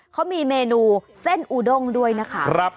เขามีเมนูเส้นอูด้งด้วยนะคะ